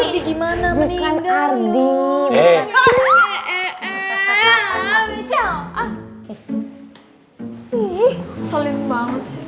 nih selim banget sih